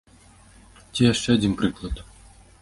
Ці яшчэ адзін прыклад.